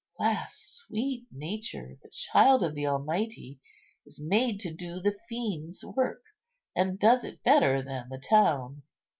Alas! sweet Nature, the child of the Almighty, is made to do the fiend's work, and does it better than the town.